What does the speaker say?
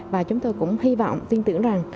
và chúng tôi cũng hy vọng tin tưởng rằng